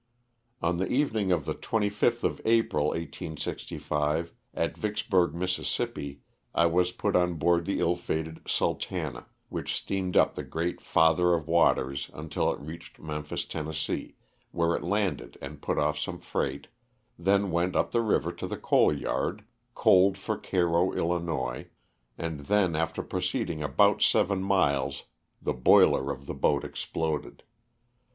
On the evening of the 25th of April, 1865, at^Vicksburg, Miss., I was put on board the ill fated '^Sultana," which steamed up the great "Father of Waters," until it reached Memphis, Tenn., where it landed and put off some freight, then went up the river to the coal yard, coaled for Cairo, 111., and then after proceeding about seven miles the boiler of the boat exploded.